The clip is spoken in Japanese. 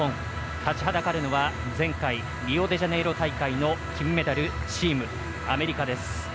立ちはだかるのは前回リオデジャネイロ大会の金メダルチームアメリカです。